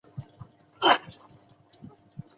科尔莫兰。